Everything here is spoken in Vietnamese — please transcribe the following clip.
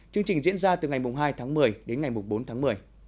chương trình diễn ra từ ngày hai tháng một mươi đến ngày bốn tháng một mươi